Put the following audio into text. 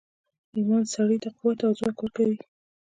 ایمان سړي ته قوت او ځواک ورکوي